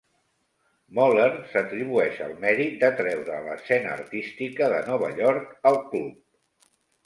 Moller s'atribueix el mèrit d'atreure l'escena artística de Nova York al club.